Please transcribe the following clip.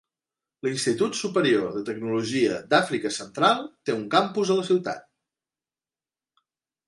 L'Institut Superior de Tecnologia d'Àfrica Central té un campus a la ciutat.